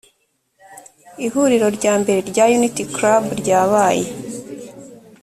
ihuriro ryambere rya unity club ryabaye